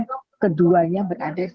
dan keduanya berada di jakarta